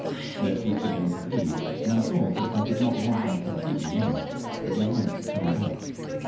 Their feet began to bleed, and I saw that if I did not want them completely lamed it would be wise to turn lack.